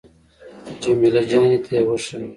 جمیله جانې ته يې وښيه.